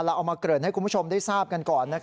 เอามาเกริ่นให้คุณผู้ชมได้ทราบกันก่อน